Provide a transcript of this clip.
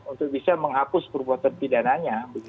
untuk bisa menghapus perbuatan pidananya